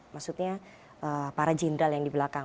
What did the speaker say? maksudnya para jenderal yang di belakang